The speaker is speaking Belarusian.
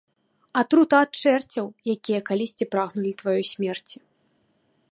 Атрута ад чэрцяў, якія калісьці прагнулі тваёй смерці.